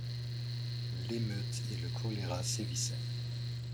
L’émeute et le choléra sévissaient.